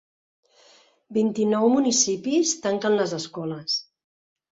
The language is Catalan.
Vint-i-nou municipis tanquen les escoles